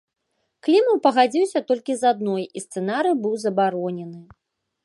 Клімаў пагадзіўся толькі з адной, і сцэнарый быў забаронены.